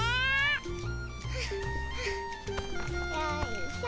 よいしょ。